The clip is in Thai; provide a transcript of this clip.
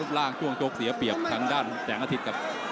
ร่างช่วงโจ๊กเสียเปรียบทางด้านแสงอาทิตย์ครับ